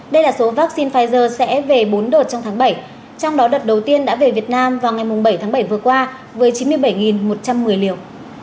đây là số vaccine pfizer sẽ về bốn đợt trong tháng bảy trong đó đợt đầu tiên đã về việt nam vào ngày bảy tháng bảy vừa qua với chín mươi bảy một trăm một mươi liều